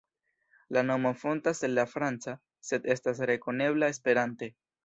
La nomo fontas el la franca, sed estas rekonebla Esperante.